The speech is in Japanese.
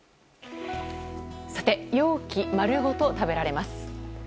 容器丸ごと食べられます。